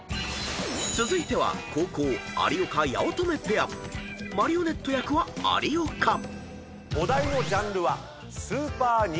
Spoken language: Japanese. ［続いては後攻有岡・八乙女ペア］［マリオネット役は有岡］お題のジャンルは。